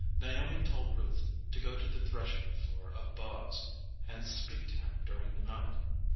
Naomi told Ruth to go to the threshing floor of Boaz, and speak to him during the night.